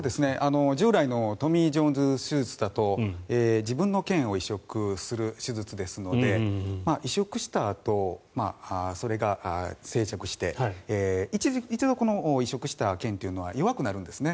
従来のトミー・ジョン手術だと自分の腱を移植する手術ですので移植したあとそれが生着して一度移植した腱というのは弱くなるんですね。